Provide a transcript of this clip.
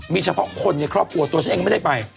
มีเฉพาะคนในครอบครัวตัวฉันเองก็ไม่ได้ไป